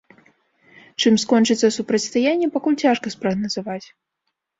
Чым скончыцца супрацьстаянне, пакуль цяжка спрагназаваць.